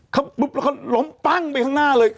ครับบุ๊บบล้มพึงปั๊งไปข้างหน้าเลย